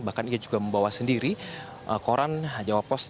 bahkan ia juga membawa sendiri koran jawa post